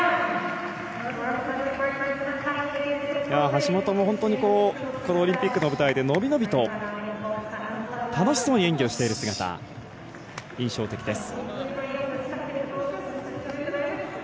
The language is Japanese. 橋本も本当にオリンピックの舞台で伸び伸びと楽しそうに演技をしている姿が印象的です。